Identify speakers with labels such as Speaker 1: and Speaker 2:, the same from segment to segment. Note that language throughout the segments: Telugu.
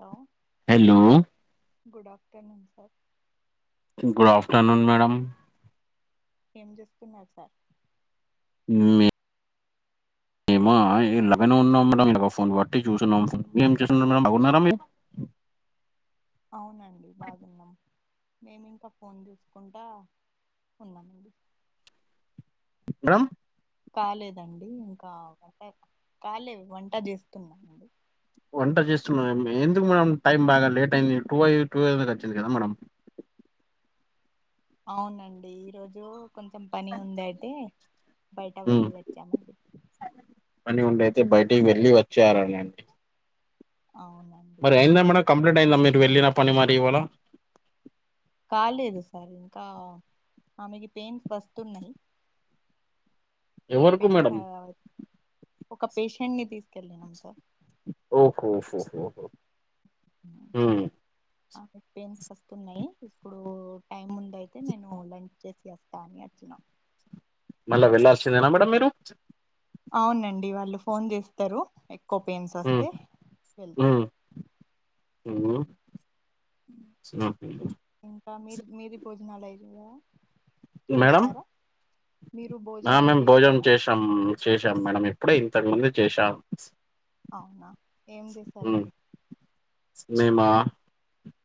Speaker 1: Hello
Speaker 2: hello
Speaker 1: good afternoon sir
Speaker 2: good afternoon madam
Speaker 1: ఏం చేస్తున్నారు సార్
Speaker 2: మే మా ఇలాగనే ఉన్నాం మేడం ఫోన్ బట్టి చూసున్నాం ఫో ఏం చేస్తున్నారు మేడం బాగున్నారా మీరు
Speaker 1: అవునండి బాగున్నాం మేమింకా ఫోన్ చూసుకుంటా ఉన్నామండి
Speaker 2: మేడం
Speaker 1: కాలేదండి ఇంకా వంట కాలేదు వంట చేస్తున్నామండి
Speaker 2: వంట చేస్తున్నారా ఎందుకు మేడం టైం బాగా లేట్ అయింది టూ అయి టూ అవనికి వచ్చింది కదా మేడం
Speaker 1: అవునండి ఈరోజు కొంచెం పని ఉంది అయితే బయట
Speaker 2: ఉమ్మ్
Speaker 1: వెళ్ళి వచ్చామండి
Speaker 2: పని ఉండాయితే బయటికి వెళ్ళి వచ్చారనండి
Speaker 1: అవున
Speaker 2: మరి అయిందా మేడం కంప్లీంట్ అయిందా మీరు వెళ్ళిన పని మరి ఇవాళ
Speaker 1: కాలేదు సార్ ఇంకా ఆమెకి పెయిన్స్ వస్తున్నాయి
Speaker 2: ఎవరికి
Speaker 1: పెయిన్స్
Speaker 2: మేడం
Speaker 1: ఒక పేషెంట్ ని తీసుకెళ్ళినం సార్
Speaker 2: ఓహో హో హో
Speaker 1: ఉమ్.
Speaker 2: ఉమ్మ్
Speaker 1: ఆమెకి పెయిన్స్ వస్తున్నాయి ఇప్పుడు టైం ముందే అయితే నేను లంచ్ చేసి వస్తా అని అచ్చిన
Speaker 2: మళ్ళా వెళ్ళాల్సిందేనా మేడం మీరు
Speaker 1: అవునండి వాళ్ళు ఫోన్ చేస్తారు ఎక్కువ పెయిన్స్
Speaker 2: ఉమ్,
Speaker 1: వస్తే
Speaker 2: ఉమ్,
Speaker 1: వెళ్తాంండి
Speaker 2: మ్మ్ఉహ్మ్
Speaker 1: ఇంకా మీరు మీది భోజనాలు అయినాయా
Speaker 2: మేడం
Speaker 1: మీరు
Speaker 2: ఆ
Speaker 1: భోజనం
Speaker 2: మేం భోజనం
Speaker 1: చేశారా
Speaker 2: చేసాం చేసాం మేడం‌ ఇప్పుడే ఇంతకు ముందే చేశాం
Speaker 1: అవునా ఏం
Speaker 2: ఉమ్
Speaker 1: చేశారంండి
Speaker 2: మేమా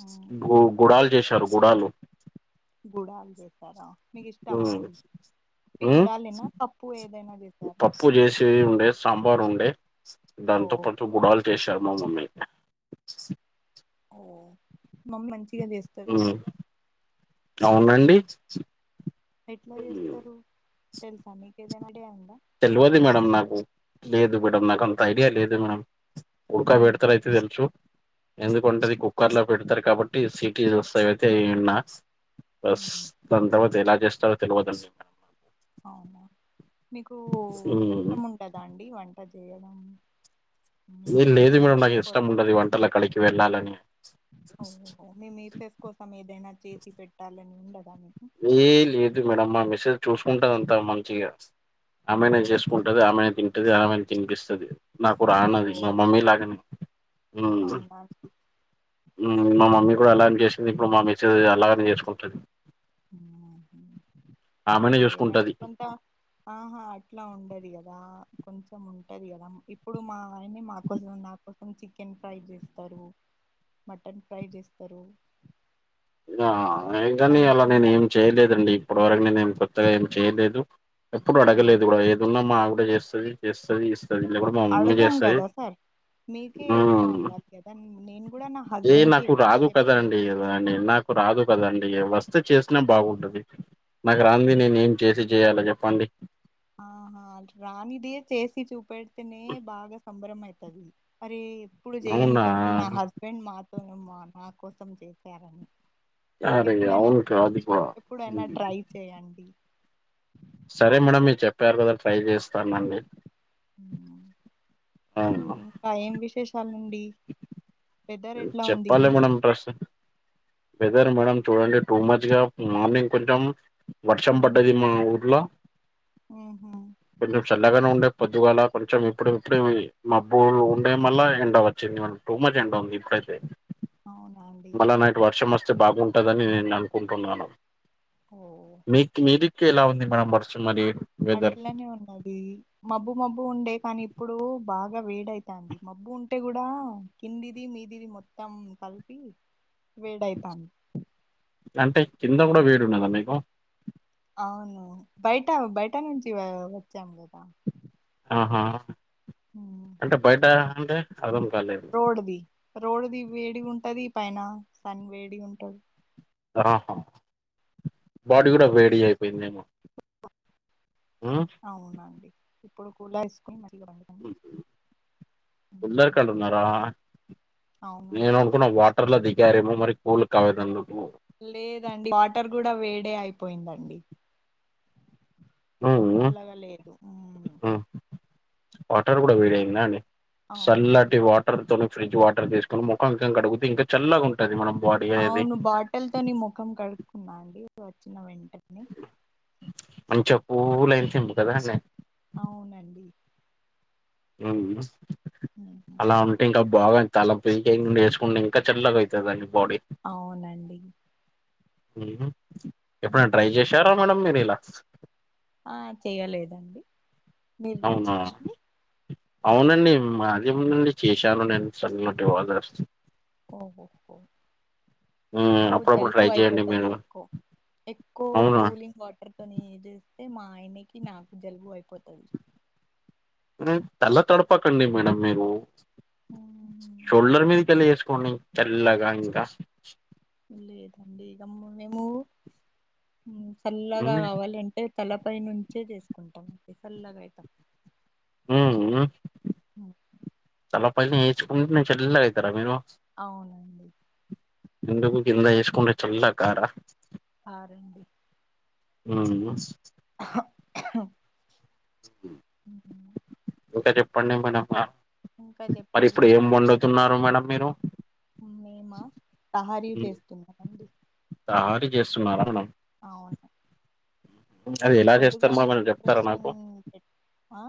Speaker 1: మ్మ్.
Speaker 2: గు గుడాలు చేశారు గుడాలు
Speaker 1: గుూడలు చేసారా మీకు ఇష్టమా అది ఉట్టి
Speaker 2: హ్మ్
Speaker 1: గుడాలేనా పప్పు ఏదైనా చేశారా
Speaker 2: పప్పు చేసి ఉండే సాంబార్ ఉండే
Speaker 1: ఓ
Speaker 2: దాంతో పాటు గుడాలు చేశారు మా మమ్మీ
Speaker 1: ఓ మమ్మీ మంచిగా చేస్తాదా
Speaker 2: ఉమ్ అవునండి
Speaker 1: ఎట్లా చేస్తారు మీకేదైనా ఐడియా ఉం
Speaker 2: తెలువదు మేడం నాకు లేదు మేడమ్ నాకంత
Speaker 1: అవునా
Speaker 2: ఐడియా లేదు మేడం ఉడకా
Speaker 1: మ్మ్.
Speaker 2: పెడతారు అయితే తెలుసు ఎందుకంటే అది కుక్కర్‌లో పెడతారు కాబట్టి సిటీ [unintelligible] అయితే ఇన్నా బస్
Speaker 1: మ్మ్.
Speaker 2: దాని తర్వాత ఎలా చేస్తారో తెలవదు అన్నమాట
Speaker 1: అవునా మీకు
Speaker 2: ఉమ్
Speaker 1: ఇష్టం ఉంటుందా అండి వంట చేయడం మీ
Speaker 2: ఏం లేదు మేడం
Speaker 1: మిస్సెస్
Speaker 2: నాకు ఇష్టం
Speaker 1: కోసం
Speaker 2: ఉండదు ఈ వంటలు అక్కడికి వెళ్ళాలని
Speaker 1: ఓహోహో మీ మిసెస్ కోసం ఏదైనా చేసి పెట్టాలని ఉండదా మీకు
Speaker 2: ఏ లేదు మేడమ్ మా మిసెస్ చూసుకుంటదంతా మంచిగా ఆమెనే
Speaker 1: అవునా
Speaker 2: చేసుకుంటది ఆమెనే తింటది ఆమెనే తినిపిస్తది నాకు
Speaker 1: ఓ
Speaker 2: రానది మా మమ్మీ లాగనే హ్మ్
Speaker 1: అవునా
Speaker 2: మా మమ్మీ కూడా అలాగనే చేసింది ఇప్పుడు మా మిసెస్ అలాగనే చేసుకుంటుంది
Speaker 1: లేదంటే
Speaker 2: చూసుకుంటది
Speaker 1: కొంత ఆహా అట్లా ఉండదు కదా దా కొంచెం ఉంటంది కదా ఇప్పుడు మా ఆయనే మా కోసం నా కోసం చికెన్ ఫ్రై చేస్తారు మటన్ ఫ్రై చేస్తారు
Speaker 2: ఆ
Speaker 1: ఇట్లా
Speaker 2: కాని
Speaker 1: మీకు
Speaker 2: అలా నేను ఏం
Speaker 1: ఉండదా
Speaker 2: చేయలేదండి ఇప్పటి వరకు నేను ఏం కొత్తగా ఏం చేయలేదు ఎప్పుడు
Speaker 1: ఆ
Speaker 2: అడగలేదు కూడా ఏదున్నా మా ఆవిడే చేస్తది ఇస్తది ఎప్పుడు మా మమ్మీ
Speaker 1: అడగం
Speaker 2: చేస్తది
Speaker 1: కదా సార్ మీకే ఎరుక
Speaker 2: హ్మ్
Speaker 1: ఉండాలి కదా నేను కూడా నా
Speaker 2: ఏ
Speaker 1: హస్బెండ్ కి
Speaker 2: నాకు
Speaker 1: ఎప్పుడు
Speaker 2: రాదు కదా
Speaker 1: చెప్పలే
Speaker 2: అండి అ నాకు రాదు దు కదండి వస్తే చేసినా బాగుంటది నాకు రానిది
Speaker 1: లే
Speaker 2: నేను ఏం చేసి చేయాల చెప్పండి
Speaker 1: ఆహా రానిదే చేసి చూపెడితేనే బాగా సంబరం అయితుంది మరే ఎప్పుడు చేయని
Speaker 2: అవునా
Speaker 1: పని నా హస్బెండ్ మా ఓయమ్మా నా కోసం చేసారని
Speaker 2: అరే అవును
Speaker 1: ఎప్పుడైనా ట్రై
Speaker 2: [inaudible]
Speaker 1: చేయండి
Speaker 2: సరే మేడమ్ మీరు చెప్పారు కదా ట్రై చేస్తాను
Speaker 1: ఉమ్,
Speaker 2: [inaudible]
Speaker 1: ఇంకా ఏం విశేషాలండి వెదర్ ఎట్లా ఉంది
Speaker 2: చెప్పాలి మేడం అడ్రస్ వెదర్ మేడం చూడండి టూ మచ్ గా మార్నింగ్ కొంచెం వర్షం పడ్డది మా ఊర్లో
Speaker 1: ఉహు
Speaker 2: కొంచెం చల్లగనే ఉండే పొద్దుగాల కొంచెం ఇప్పుడు ఇప్పుడే మబ్బులు ఉండే మళ్ల ఎండ వచ్చు వచ్చింది మన టూ మచ్ ఎండా ఉంది ఇప్పుడైతే
Speaker 1: అవునా అండి
Speaker 2: మళ్ళా నైట్ వర్షం వస్తది వస్తే బాగుంటందని నేను అనుకుంటున్నాను
Speaker 1: ఓ
Speaker 2: మీకు మీది మీకు ఎలా ఉంది మేడమ్ వర్షం మరి
Speaker 1: అట్లనే ఉన్నది మబ్బు మబ్బు ఉండే కానీ ఇప్పుడు బాగా బాగా వేడైతాంది మబ్బు ఉంటే కూడా కిందిది మీదిది మొత్తం కలిపి వేడయితాంది
Speaker 2: అంటే కింద కూడా వేడున్నదా మీకు
Speaker 1: అవును బయట బయట నుంచి వచ్చాం కదా
Speaker 2: ఆహా అంటే బయట అంటే అర్థం కాలేదు
Speaker 1: రోడ్ ది రోడ్ ది వేడి ఉంటది పైన సన్ వేడి ఉంటది
Speaker 2: ఆహా బాడీ కూడా వేడి అయిపోయిందేమో ఉమ్
Speaker 1: అవునండి ఇప్పుడు కూలా వేసుకుని
Speaker 2: హ్మ్ గుల్లరికాళ్ళు ఉన్నారా
Speaker 1: అవును
Speaker 2: నేను అనుకున్నా వాటర్ లో దిగి దిగారేమో మరి కూల్ కావడానికి అందుకు
Speaker 1: లేదండి వాటర్ కూడా వేడే అయిపోయిందండి
Speaker 2: ఉమ్
Speaker 1: పల్లవ లేదు
Speaker 2: ఉమ్ వాటర్ కూడా వేడియిందా అండి సల్లటి
Speaker 1: అవునండి
Speaker 2: వాటర్ తోని ఫ్రిజ్ వాటర్ తీసుకొని ముఖం ఇంకా కడుగుతే ఇంకా చల్లగా ఉంటుది మనం బాడీ అనేది
Speaker 1: అవును బాటల్ తోనీ ముఖం కడుక్కున్నా అండి వచ్చిన వెంటనే
Speaker 2: మంచి పూల అయింతం ము కదనే
Speaker 1: అవునండి
Speaker 2: ఉమ్
Speaker 1: ఉమ్.
Speaker 2: అలా ఉంటాం కబ బాగాంది తలపీకయడి వేసుకుంటే ఇంకా చల్లగా అవుతుందాని
Speaker 1: అవునండి
Speaker 2: ఎప్పుడై ట్రై
Speaker 1: ఉమ్.
Speaker 2: చేశారా మేడం మీరు ఇలాగా
Speaker 1: ఆ చేయలేదండి మీరు
Speaker 2: అవునా
Speaker 1: చేసారండి
Speaker 2: అవునండి మాధ్యమ నుండి చేశాను నేను చల్లటి వాదర్
Speaker 1: ఓహో
Speaker 2: హ్మ్.
Speaker 1: మాకు
Speaker 2: అప్పుడప్పుడు
Speaker 1: జలుబు
Speaker 2: ట్రై చేయండి
Speaker 1: అయిపోతుది
Speaker 2: మీరు.
Speaker 1: ఎక్కువ ఎక్కువ
Speaker 2: అవునా!
Speaker 1: కూలింగ్ వాటర్ తోని ఇది అతే మా ఆయనకి నాకు జలుబు అయిపోతుంది
Speaker 2: తెల్ల తడపకండి మేడం మీరు
Speaker 1: ఉమ్,
Speaker 2: షోల్డర్ మీదకిళ్ళిసు పుని తెల్లగా ఇంకా
Speaker 1: లేదండి ఇమ్ మేము చల్లగా
Speaker 2: హ్మ్.
Speaker 1: కావాలి అంటే తలపైని నుంచే తీసుకుంటాం చల్లగా అయితం
Speaker 2: ఉహు తలపై నుంచే వేర్చుకుంటేనే చల్లగా అతారా మీరు
Speaker 1: అవునండి
Speaker 2: ఎందుకు కింద వేసుకుంటే చల్లకార
Speaker 1: కారండి
Speaker 2: ఉహు
Speaker 1: ఆహా అహ్
Speaker 2: హ ఇంకా చెప్పండి మేడమ్
Speaker 1: ఇంకా
Speaker 2: మరి
Speaker 1: చెప్పాలి
Speaker 2: ఇప్పుడు ఏం
Speaker 1: సార్ మీరు
Speaker 2: వండుతున్నారు మేడం మీరు
Speaker 1: మేమా తహారీ చేస్తున్నాండి
Speaker 2: తహారు చేస్తున్నారా అది ఎలా చేస్తారు
Speaker 1: పొద్దుగానే
Speaker 2: మేడం చెప్తారా
Speaker 1: ప్రిపరేషన్
Speaker 2: నాకు?
Speaker 1: పెట్నా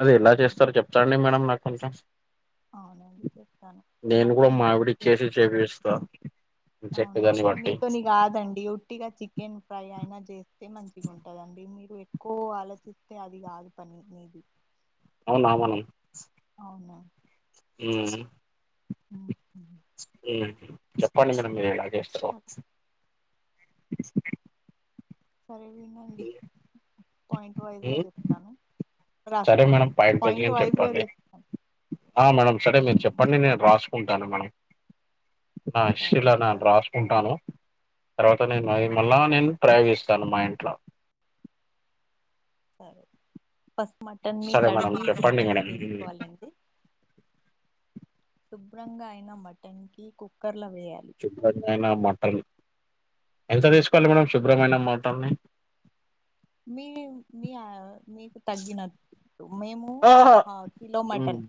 Speaker 2: అది ఎలా చేస్తారో చెప్తాండి మేడం నాకు కొంచెం
Speaker 1: అవునండి చెప్తాను
Speaker 2: నేను గూడా
Speaker 1: మటన్
Speaker 2: మా
Speaker 1: బయిల్
Speaker 2: ఆవిడకి
Speaker 1: చే
Speaker 2: చేసి చేపిస్తా. మీ
Speaker 1: అవునా
Speaker 2: చెప్పేదాన్ని బట్టి.
Speaker 1: మీతోని కాదండి ఒట్టిగా చికెన్ ఫ్రై అయినా చే స్తే మంచిగా ఉంటదండి మీరు ఎక్కువ ఆలోచిస్తే అది కాదు పని నది
Speaker 2: అవునావును
Speaker 1: అవునా
Speaker 2: ఉమ్మ్
Speaker 1: ఉ
Speaker 2: చెప్పండి మేడం మీరు ఎలా చేస్తారో
Speaker 1: సరే సరే వినండి
Speaker 2: ఇ
Speaker 1: పాయింట్ వైజ్ గా చెప్తాను
Speaker 2: సరే మేడం
Speaker 1: రాసుకోండి
Speaker 2: పాయింట్ వైస్ గానే
Speaker 1: వైజ్ గా
Speaker 2: చెప్పండి
Speaker 1: చెప్తాను.
Speaker 2: ఆ మేడం సరే మీరు
Speaker 1: ఉమ్,
Speaker 2: చెప్పండి నేను
Speaker 1: ఫస్ట్
Speaker 2: రాసుకుంటాను మేడం నా
Speaker 1: సారి
Speaker 2: ఇస్లా నను
Speaker 1: సార్
Speaker 2: రాసుకుంటాను తర్వాత నేను మళ్ళ నేను ప్రయత్ని తను మ ఇంట్లా
Speaker 1: సరే పసుపు మటన్ని
Speaker 2: సరే మేడం
Speaker 1: కడిగి
Speaker 2: చెప్పండి
Speaker 1: శుభ్రంగా
Speaker 2: మేడం ఉమ్,
Speaker 1: చేసుకోవాలండి శుభ్రంగా అయిన మటన్ కి కుక్కర్
Speaker 2: చుల నాయనా మటన్ ఎంత తీసుకోవాలి మేడం శుభ్రమైన మాటల్ని
Speaker 1: మీ మీ మీ తగ్గిన మేము
Speaker 2: ఆహా
Speaker 1: కిలో
Speaker 2: ఉమ్,
Speaker 1: మటన్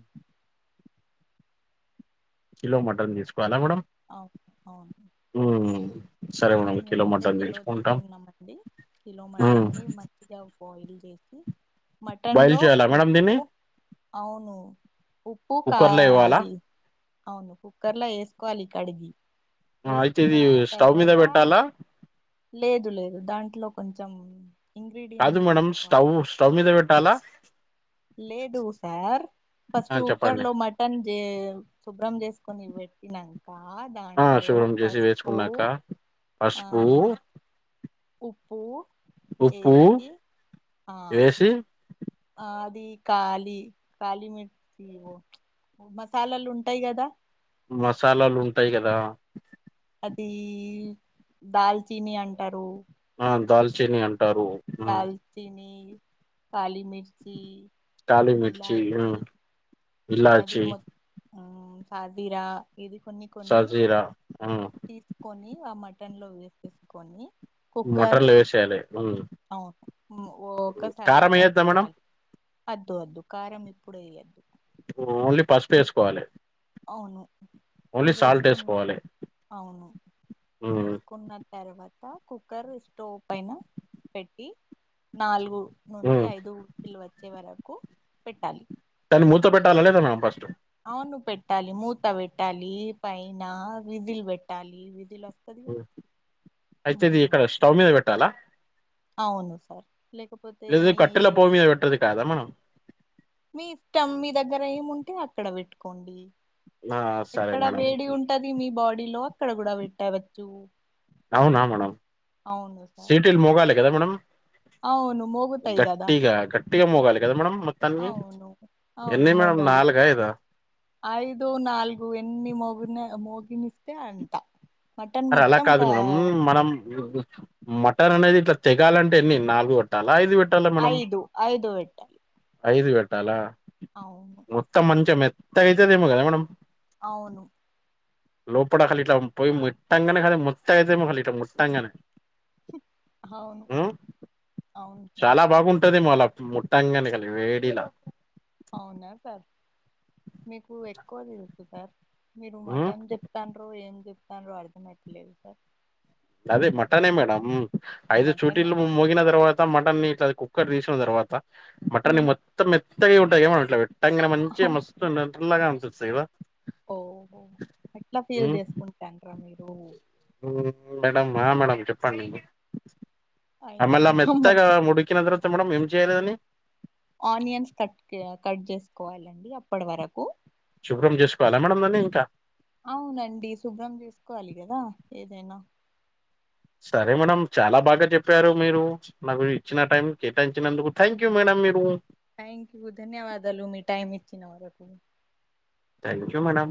Speaker 2: కిలో మటన్ తీసుకోవాలా మేడం
Speaker 1: అవును అవును
Speaker 2: సరే మేడం కిలో
Speaker 1: మేమైతే
Speaker 2: మటన్
Speaker 1: కిలో
Speaker 2: తీసుకుంటాం
Speaker 1: తీసుకున్నామ అండి కిలో
Speaker 2: ఉమ్,
Speaker 1: మటన్ని మంచిగా బాయిల్ చేసి మటన్
Speaker 2: బాయిల్
Speaker 1: లో
Speaker 2: చేయాలా మేడం
Speaker 1: ఉప్పు
Speaker 2: దీన్ని
Speaker 1: అవును ఉప్పు కా
Speaker 2: కుక్కర్ లో ఇవ్వాలా
Speaker 1: అది అవును కుక్కర్ లో వేసుకోవాలి కడిగి
Speaker 2: అయితే
Speaker 1: వేసుకున్న
Speaker 2: ఇది స్టవ్ మీద
Speaker 1: తర్వాత
Speaker 2: పెట్టాలా
Speaker 1: లేదు లేదు దాంట్లో కొంచెం
Speaker 2: కాదు
Speaker 1: ఇంగ్రీడియంట్స్
Speaker 2: మేడంమ్
Speaker 1: వేసుకోవాలి
Speaker 2: స్టవ్ స్టవ్ మీద పెట్టాలా
Speaker 1: లేదు సార్ ఫస్ట్
Speaker 2: ఆ
Speaker 1: కుక్కర్
Speaker 2: చెప్పండి
Speaker 1: లో మటన్ జ శుభ్రం చేసుకొని పెట్టినాక
Speaker 2: ఆ
Speaker 1: దాంట్లో
Speaker 2: శుభ్రం చేసి
Speaker 1: పసుపు
Speaker 2: వేసుకున్నాక
Speaker 1: ఆ
Speaker 2: పసుపు
Speaker 1: ఉప్పు
Speaker 2: ఉప్పు
Speaker 1: వేసి ఆ
Speaker 2: వేసి
Speaker 1: ఆ అది కళీ కళీ మిర్చి మసాలాలు ఉంటాయి కదా
Speaker 2: మసాలాలు ఉంటాయి కదా
Speaker 1: అది దాల్చని అంటారు
Speaker 2: ఆ దాల్చినీ ఉంట
Speaker 1: దల్చినీ కాళీ మిర్చి
Speaker 2: కాలి మిర్చి ఇలాంచి
Speaker 1: సాజిరా ఇది కొన్ని కొన్ని
Speaker 2: సాజీరా
Speaker 1: తీసుకొని ఆ మట్ పట్టెన్లో వేసేసుకొని కుక్కర్
Speaker 2: మట్టన్ర్లు వేసేయాలి ఉమ్,
Speaker 1: అవును
Speaker 2: ఉమ్.
Speaker 1: ఒక్కసారి
Speaker 2: కారం వేయద్దా మేడం
Speaker 1: కలుపుకోవాలి అద్దు అద్దు కారం ఇప్పుడ ఈఅద్దు
Speaker 2: ఓన్లీ పసుపు వేసుకోవాలి
Speaker 1: అవును
Speaker 2: ఓన్లీ సాల్ట్
Speaker 1: వేసుకున్న
Speaker 2: వేసుకోవాలి
Speaker 1: అవును
Speaker 2: ఉమ్,
Speaker 1: వేసుకున్న తర్వాత కుక్కర్ స్టోవ్ పైన పెట్టి నాలుగు నుంచి
Speaker 2: ఉమ్.
Speaker 1: ఐదు లు వచ్చే వరకు పెట్టాలి
Speaker 2: మూత పెట్టాల లేదా మేడం ఫస్ట్
Speaker 1: అవును పెట్టాలి మూత పెట్టాలి పైన విధిలు పెట్టాలి విధిల
Speaker 2: అయితేది ఇక్కడ స్టవ్ మీద పెట్టాలా
Speaker 1: అవును సార్ లేకపోతే
Speaker 2: లేదు
Speaker 1: మీ
Speaker 2: కట్టెల పోవు మీద పెట్టేది కాదా మనం
Speaker 1: మీ ఇష్టం మీ దగ్గర ఏముంటే అక్కడ పెట్టుకోండి
Speaker 2: ఆ, సరే
Speaker 1: ఎక్కడ వేడి
Speaker 2: మేడం
Speaker 1: ఉంటది మీ బాడీలో అక్కడ కూడా వట్టాయవచ్చు
Speaker 2: అవునా మేడం
Speaker 1: సార్
Speaker 2: సీటిలు మోగాల కదా మేడాం
Speaker 1: అవును మోగుతాయి కదా
Speaker 2: గట్టిగా గట్టిగా మోగాలి కదా మేడం మత్తాన్నిన్ని
Speaker 1: అవును అవును
Speaker 2: ఎన్ని మేడ
Speaker 1: మోగాలి
Speaker 2: నలగ ఐదా
Speaker 1: ఐదు నాలుగు ఎన్ని మగిన మగినస్తే అంట
Speaker 2: అరే అలా కాదు మేడం మనం మ అనేది ఇట్లా తెగాలంటే ఎన్ని నాలుగు కొట్టాలి ఐదు పెట్టాలా మేడం
Speaker 1: ఐదు ఐదు పెట్టాలే
Speaker 2: ఐదు పెట్టాలా మొత్తం మంచి మెత్తగా అయితదేమో కదా మేడం
Speaker 1: అవును
Speaker 2: లోపట అసలు ఇట్లా పోయి పెట్టంగనే మెత్తగా అయితది ముట్టాంగానే
Speaker 1: అవును
Speaker 2: ఉ
Speaker 1: అవును సార్
Speaker 2: చాలా బాగుంటది మలా ముట్టంగనే ఇగ వేడిలా
Speaker 1: అవునా సార్ మీకు ఎక్కువ తెలుసు సార్ మీరు
Speaker 2: ఉమ్
Speaker 1: మటన్ చెప్తాండ్రు ఏం చెప్తానురో అర్థం అయితలేదు సార్
Speaker 2: అదే మటనే మేడం ఐదు
Speaker 1: మటనేనా
Speaker 2: చూటీలు మోగిన తర్వాత మటన్ ది కుక్కర్ తీసిన తర్వాత మటన్ ని మొత్తం మెత్తగా ఉంటాయి ఏమ ఇట్లా అనే మంచిగా మస్తు నల్లగా అనిపిస్తాయి కదా
Speaker 1: ఓహో అట్లా సేల్
Speaker 2: ఉమ్,
Speaker 1: చేసుకుంటానురా మీరు
Speaker 2: మేడం ఆ మేడం చెప్పండి ఆ మల్ల
Speaker 1: అయినంక మట్
Speaker 2: మెత్తగా ఉడికిన తర్వాత మేడం ఏం చేయలేదని
Speaker 1: ఆనియన్స్ కట్ కట్ చేసుకోవాలి అప్పటి వరకు
Speaker 2: శుభ్రం చేసుకోవాలా మేడమ్ దాన్ని ఇంకా
Speaker 1: అవునండి శుభ్రం చసుకోవాలి కదా ఏదైనా
Speaker 2: సరే మేడం చాలా బాగా చెప్పారు మీరు నాకు ఇచ్చిన టైం కేటాయించినందుకు థ్యాంక్ యూ మేడం మీరు
Speaker 1: థ్యాంక్ యూ ధన్యవాదాలు మీ టైమ్ ఇచ్చిన వరకు
Speaker 2: థ్యాంక్ యూ మేడం